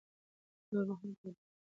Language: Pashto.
نور محمد وردک